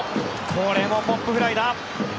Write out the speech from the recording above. これもポップフライだ。